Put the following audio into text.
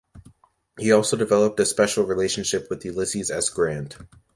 He also developed a special relationship with Ulysses S. Grant.